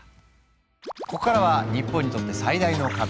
ここからは日本にとって最大の壁